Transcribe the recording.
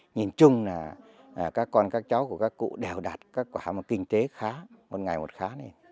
nhìn chung là các con các cháu của các cụ đều đạt kinh tế khá một ngày một khá